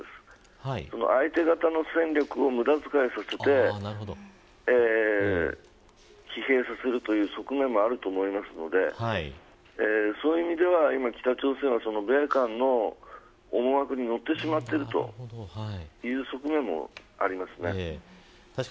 相手方の戦力を無駄遣いさせて疲弊させるという側面もあると思うのでそういう意味では北朝鮮は米韓の思惑に乗ってしまっているという側面もあると思います。